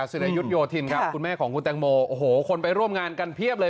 ศิรายุทธโยธินครับคุณแม่ของคุณแตงโมโอ้โหคนไปร่วมงานกันเพียบเลย